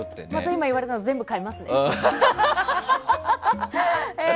今言われたの全部買いますね。